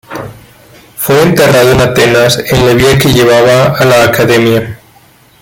Fue enterrado en Atenas en la vía que llevaba a la Academia.